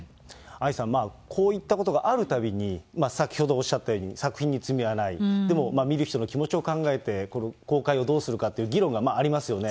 愛さん、こういったことがあるたびに、先ほどおっしゃったように、作品に罪はない、でも見る人の気持ちを考えて、公開をどうするかっていう議論がありますよね。